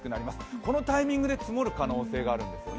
このタイミングで積もる可能性があるんですね。